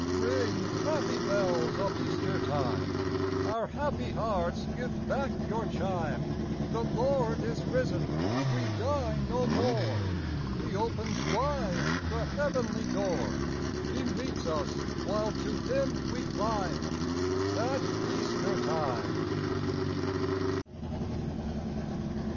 Ring, happy bells of Easter time ! Our happy hearts give back your chime ! The Lord is risen ! We die no more : He opens wide the heavenly door ; He meets us, while to Him we climb, At Easter time.